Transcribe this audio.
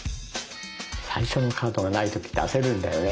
最初のカードがない時って焦るんだよね。